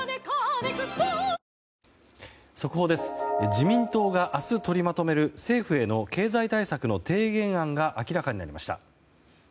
自民党が明日取りまとめる政府への経済対策の提言案が明らかになりました。